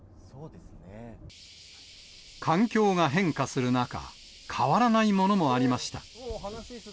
環境が変化する中、変わらないものもありました。